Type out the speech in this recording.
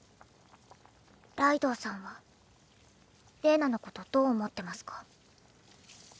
ライドウさんはれいなのことどう思ってますか？